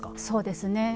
そうですね。